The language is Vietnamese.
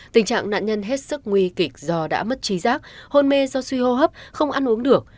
tình trạng nạn nhân hết sức nguy kịch do đã mất trí giác hôn mê do suy hô hấp không ăn uống được